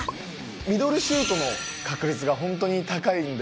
ミドルシュートの確率が本当に高いので。